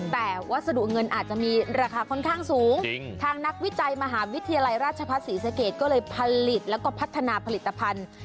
แต่วัสดุเงินอาจจะมีราคาค่อนข้างสูงทางนักวิจัยมหาวิทยาลัยราชพัฒนศรีสเกตก็เลยผลิตแล้วก็พัฒนาผลิตภัณฑ์